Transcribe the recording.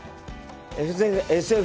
ＳＦ